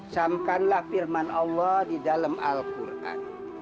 camkanlah firman allah di dalam al quran